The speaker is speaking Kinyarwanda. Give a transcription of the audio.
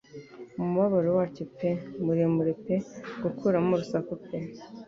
Umubabaro wacyo pe muremure pe gukuramo urusaku pe